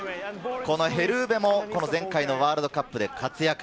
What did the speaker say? ヘル・ウヴェも前回のワールドカップで活躍。